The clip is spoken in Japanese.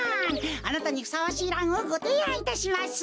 あなたにふさわしいランをごていあんいたします。